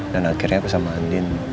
dan akhirnya aku sama andin